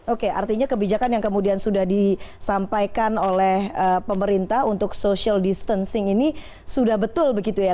oke artinya kebijakan yang kemudian sudah disampaikan oleh pemerintah untuk social distancing ini sudah betul begitu ya